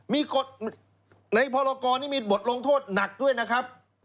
มีกฎในพรกรนี่มีบทลงโทษหนักด้วยนะครับ